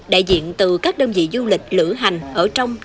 đại diện từ các đơn vị du lịch lửa hành ở trong